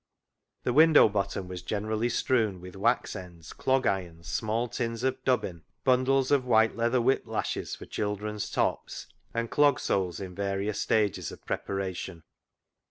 The window bottom was generally strewn with wax ends, clog irons, small tins of dubbin, bundles of white leather whip lashes for children's tops, and clog soles in various stages of preparation.